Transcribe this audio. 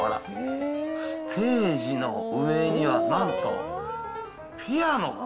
ステージの上にはなんと、ピアノ。